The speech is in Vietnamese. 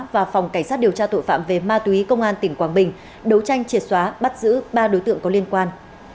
và phòng cảnh sát điều tra tội phạm về ma túy công an tỉnh quảng bình đấu tranh triệt xóa bắt giữ ba đối tượng có liên quan